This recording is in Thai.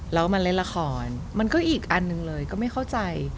แล้วมาเล่นละครมันก็อีกอันหนึ่งเลยก็ไม่เข้าใจ